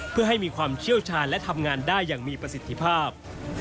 เพื่อให้มีความเชี่ยวชาญและทำงานได้อย่างมีประสิทธิภาพ